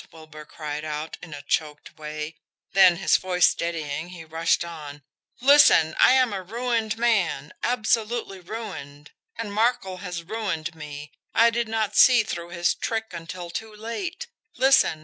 Wilbur cried out, in a choked way; then, his voice steadying, he rushed on: "Listen! I am a ruined man, absolutely ruined. And Markel has ruined me I did not see through his trick until too late. Listen!